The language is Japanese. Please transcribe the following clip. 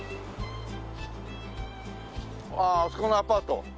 あああそこのアパート。